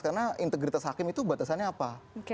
karena integritas hakim itu batasannya apa